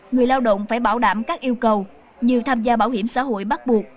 người lao động phải bảo đảm các yêu cầu như tham gia bảo hiểm xã hội bắt buộc